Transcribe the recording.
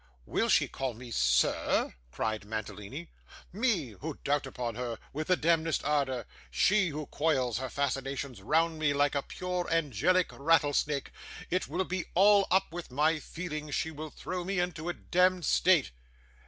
'Will she call me "Sir"?' cried Mantalini. 'Me who dote upon her with the demdest ardour! She, who coils her fascinations round me like a pure angelic rattlesnake! It will be all up with my feelings; she will throw me into a demd state.